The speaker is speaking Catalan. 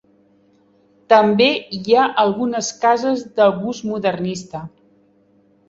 També hi ha algunes cases de gust modernista.